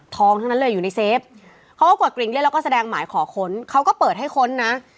ทั้งนั้นเลยอยู่ในเซฟเขาก็กดกริ่งเล่นแล้วก็แสดงหมายขอค้นเขาก็เปิดให้ค้นนะ